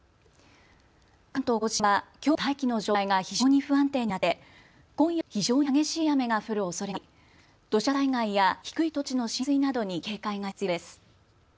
関東甲信はきょうも大気の状態が非常に不安定になって今夜遅くにかけて非常に激しい雨が降るおそれがあり、土砂災害や低い土地の浸水などに警戒が必要です。